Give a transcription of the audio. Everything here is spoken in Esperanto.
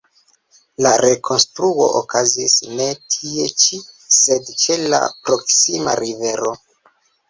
La rekonstruo okazis ne tie ĉi, sed ĉe la proksima rivero.